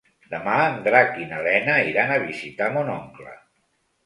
Demà en Drac i na Lena iran a visitar mon oncle.